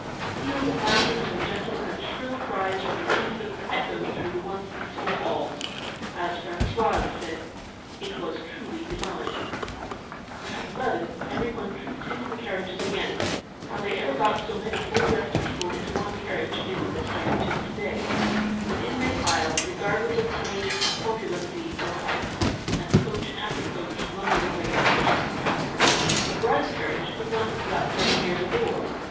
Peals of laughter from the gentlemen, and shrill cries from the infants, echoed through the once peaceful halls. As Françoise said 'It was truly divine.' At eleven, every one trooped into the carriages again. How they ever got so many full dressed people into one carriage is a mystery to this day. But in they piled, regardless of trains, corpulency, or height; and coach after coach lumbered away to the church. The bride's carriage could not be got very near the door.